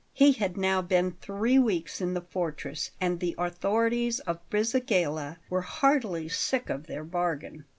He had now been three weeks in the fortress, and the authorities of Brisighella were heartily sick of their bargain.